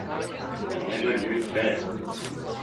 I never knew it fail.